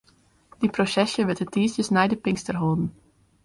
Dy prosesje wurdt de tiisdeis nei de Pinkster holden.